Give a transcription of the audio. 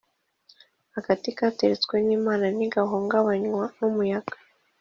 agati gateretswe nimana ntigahungabanywa n’umuyaga”